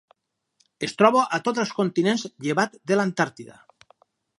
Es troba a tots els continents, llevat de l'Antàrtida.